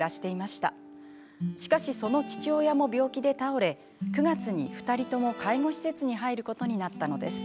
しかし、その父親も病気で倒れ９月に２人とも介護施設に入ることになったのです。